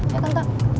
ya kan tak